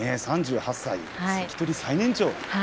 ３８歳、関取最年長。